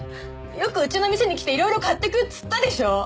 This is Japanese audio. よくうちの店に来ていろいろ買っていくっつったでしょう！